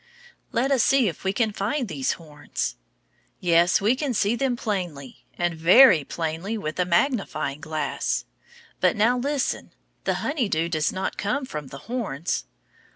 Let us see if we can find these horns. Yes, we can see them plainly, and very plainly with a magnifying glass. But now listen; the honey dew does not come from the horns.